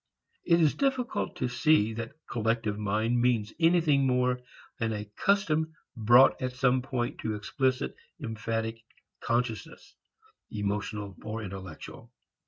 It is difficult to see that collective mind means anything more than a custom brought at some point to explicit, emphatic consciousness, emotional or intellectual.